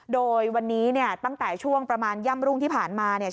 โดยวันนี้เนี่ยตั้งแต่ช่วงประมาณย่ำรุ่งที่ผ่านมาเนี่ย